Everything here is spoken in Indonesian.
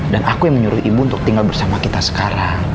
dan aku yang menyuruh ibu untuk tinggal bersama kita sekarang